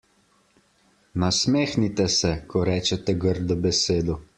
Nasmehnite se, ko rečete grdo besedo.